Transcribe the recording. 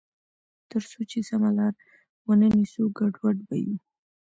تر څو چې سمه لار ونه نیسو، ګډوډ به یو.